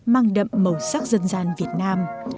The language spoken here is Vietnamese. mang đậm màu sắc dân gian việt nam